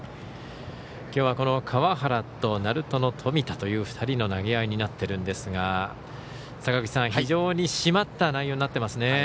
きょうはこの川原と鳴門の冨田の２人の投げ合いになっているんですが非常に締まった内容になってますね。